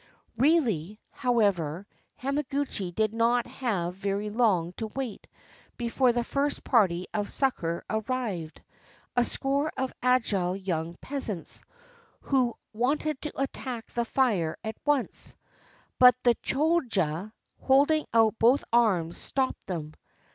Really, however, Hamaguchi did not have very long to wait before the first party of succor arrived, — a score of agile young peasants, who wanted to attack the fire at once. But the Choja, holding out both arms, stopped them.